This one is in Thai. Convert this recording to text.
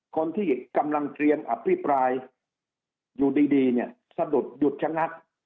คนที่กำลังเตรียมอภิปรายอยู่ดีเนี่ยสะดุดหยุดชะงัก